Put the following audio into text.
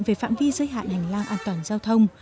về phạm vi giới hạn hành lang an toàn giao thông